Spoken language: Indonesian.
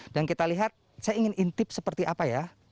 dan kita lihat saya ingin intip seperti apa ya